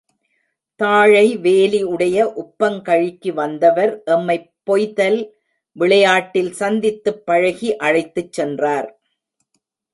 தாழை வேலி உடைய உப்பங்கழிக்கு வந்தவர் எம்மைப் பொய்தல் விளையாட்டில் சந்தித்துப் பழகி அழைத்துச் சென்றார்.